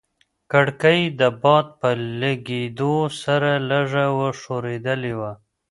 کړکۍ د باد په لګېدو سره لږه ښورېدلې وه.